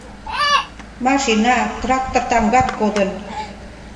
Машина, трактор тамгат кодын.